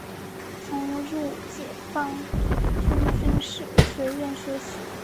曾入解放军军事学院学习。